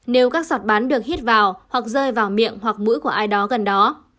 nếu các giọt bắn được hít vào hoặc rơi vào miệng hoặc mũi của ai đó gần đó